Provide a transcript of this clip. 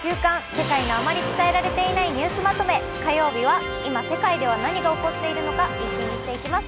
世界のあまり伝えられていないニュースまとめ」火曜日は今世界では何が起こっているのか、一気見していきます。